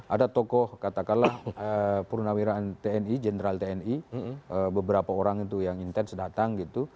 ada tokoh katakanlah purnawira tni general tni beberapa orang itu yang intens datang gitu